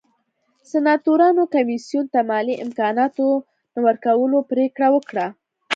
سناتورانو کمېسیون ته مالي امکاناتو نه ورکولو پرېکړه وکړه